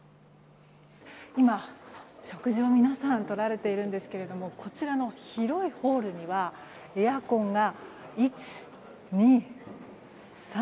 今、食事を皆さんとられているんですけれどもこちらの広いホールにはエアコンが１、２、３、４。